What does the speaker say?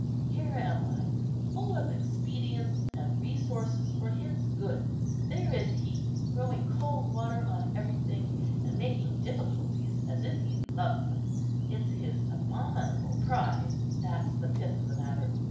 Here am I, full of expedients and resources for his good; there is he, throwing cold water on everything, and making difficulties as if he loved them. It's his abominable pride, that's the pith of the matter.